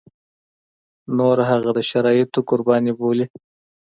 نور هغه د شرايطو قرباني بولي.